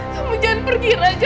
kamu jangan pergi raja